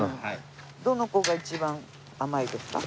どの子が一番甘いですか？